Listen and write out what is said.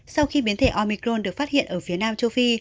sau khi biến thể omicron được phát hiện ở phía nam châu phi